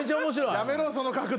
やめろその角度。